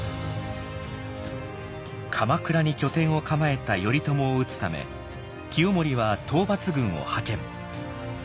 鎌倉に拠点を構えた頼朝を討つため清盛は討伐軍を派遣。